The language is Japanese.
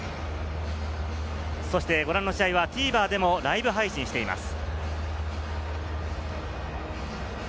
ご覧の試合はＴＶｅｒでもライブ配信しています。